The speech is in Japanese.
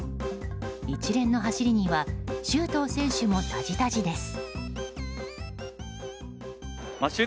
一連の走りには周東選手もたじたじです。